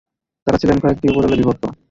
তারা ছিলেন কয়েকটি উপদলে বিভক্ত।